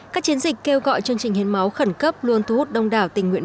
các chiến dịch kêu gọi chương trình hiến máu khẩn cấp luôn thu hút đông đảo tình nguyện